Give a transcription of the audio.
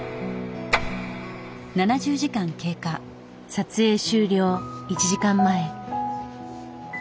撮影終了１時間前。